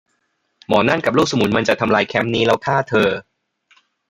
หมอนั่นกับลูกสมุนมันจะทำลายแคมป์นี้ แล้วฆ่าเธอ